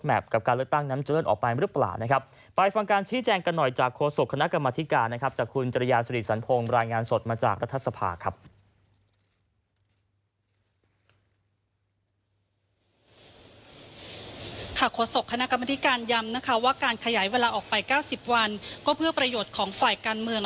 ว่าการขยายเวลาออกไป๙๐วันก็เพื่อประโยชน์ของฝ่ายการเมือง